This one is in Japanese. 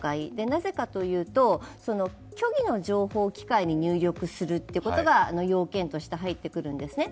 なぜかというと、虚偽の情報を機械に入力するということが要件として入ってくるんですね。